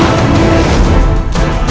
aku tidak mau berpikir seperti itu